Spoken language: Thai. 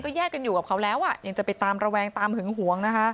แยกกันอยู่กับเขาแล้วอ่ะยังจะไปตามระแวงตามหึงหวงนะคะ